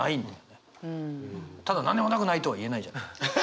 ただなんでもなくないとは言えないじゃない。